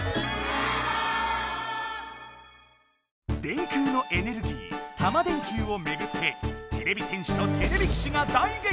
電空のエネルギータマ電Ｑをめぐっててれび戦士とてれび騎士が大げきとつ！